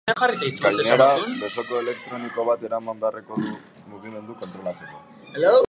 Gainera, besoko elektroniko bat eraman beharko du bere mugimenduak kontrolatzeko.